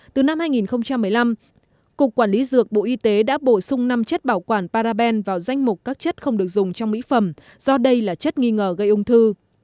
từ năm hai nghìn một mươi năm cục quản lý dược bộ y tế đã bổ sung năm chất bảo quản paraben vào danh mục các chất không được dùng trong mỹ phẩm do đây là chất nghi ngờ gây ung thư